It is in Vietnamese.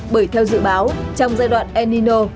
bởi theo dự báo trong giai đoạn el nino